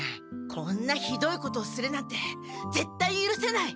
こんなヒドイことをするなんてぜったいゆるせない！